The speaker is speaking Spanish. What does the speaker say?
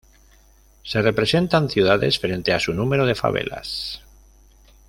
Se representan ciudades frente a su número de favelas.